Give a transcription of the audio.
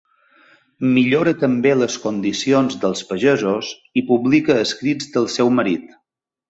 Millora també les condicions dels pagesos, i publica escrits del seu marit.